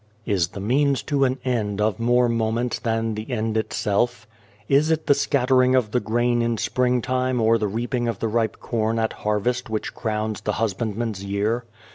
Is the means to an end of more moment than the end itself? Is it the scattering of the grain in springtime or the reaping of the ripe corn at harvest which crowns the husbandman's year